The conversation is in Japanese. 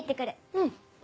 うん。